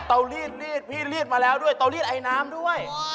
เตารีดรีดพี่รีดมาแล้วเตารีดไอน้ำด้วย